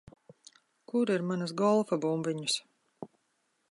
Kur ir manas golfa bumbiņas?